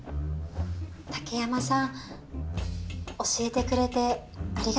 竹山さん教えてくれてありがとうございました。